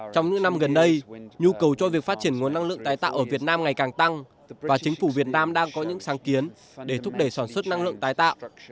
trong những năm gần đây nhu cầu cho việc phát triển nguồn năng lượng tái tạo ở việt nam ngày càng tăng và chính phủ việt nam đang có những sáng kiến để thúc đẩy sản xuất năng lượng tái tạo